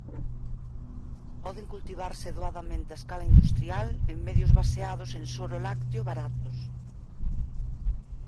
Poden cultivarse doadamente a escala industrial en medios baseados en soro lácteo baratos.